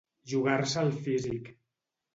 Jugar-se el físic.